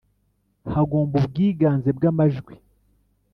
hagomba ubwiganze bw amajwi